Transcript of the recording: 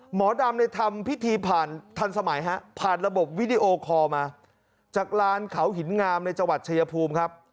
หมอดำในทำพิธีผ่านทันสมัยฮะผ่านระบบวิดีโอคอลมาจากลานเขาหินงามในจังหวัดชายภูมิครับ